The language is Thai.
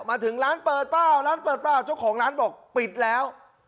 มาถึงร้านเปิดเปล่าร้านเปิดเปล่าเจ้าของร้านบอกปิดแล้ว